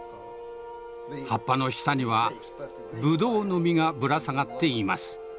葉っぱの下にはブドウの実がぶら下がっています。